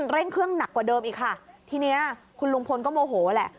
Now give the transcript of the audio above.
เร่งเครื่องหนักกว่าเดิมอีกค่ะทีนี้คุณลุงพลก็โมโหแหละ